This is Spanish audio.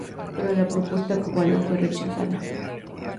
Pero la propuesta cubana fue rechazada.